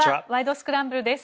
スクランブル」です。